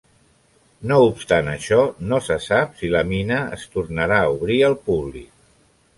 No obstant això, no se sap si la mina es tornarà a obrir al públic.